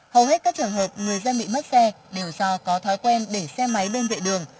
hầu hết các trường hợp người dân bị mất xe đều do có thói quen để xe máy bên vệ đường